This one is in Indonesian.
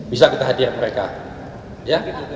bisa kita hadirkan mereka